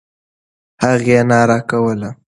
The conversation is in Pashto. هغې ناره کوله.